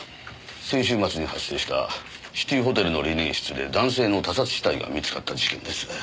先週末に発生したシティホテルのリネン室で男性の他殺死体が見つかった事件です。